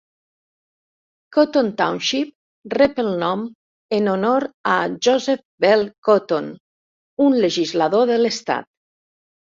Cotton Township rep el nom en honor a Joseph Bell Cotton, un legislador de l'estat.